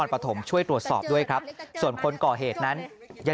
นี่โตมาแล้วมาโดนแบบนี้